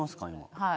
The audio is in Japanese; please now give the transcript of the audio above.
はい。